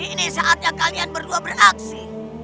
ini saatnya kalian berdua beraksi